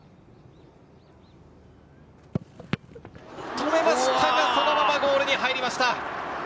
止めましたが、そのままゴールに入りました。